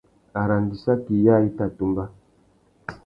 Arandissaki yâā i tà tumba.